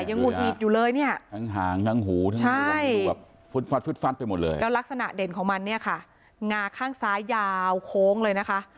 ยังอุดหงิดอยู่เลยเนี่ยใช่แล้วลักษณะเด่นของมันเนี่ยค่ะงาข้างซ้ายาวโค้งเลยนะคะ